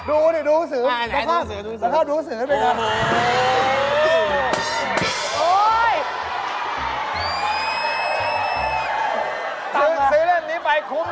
ดูสื่อหน้าข้าดูสื่อด้วยก่อน